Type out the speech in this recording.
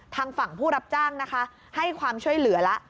ทางฝั่งผู้รับจ้างนะคะให้ความช่วยเหลือแล้ว